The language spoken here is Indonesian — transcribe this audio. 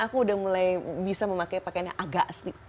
aku udah mulai bisa memakai pakaian yang agak sedikit